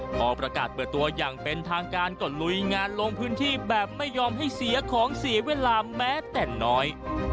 พอประกาศเปิดตัวอย่างเป็นทางการก็ลุยงานลงพื้นที่แบบไม่ยอมให้เสียของเสียเวลาแม้แต่น้อย